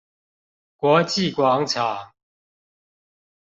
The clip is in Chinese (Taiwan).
國際廣場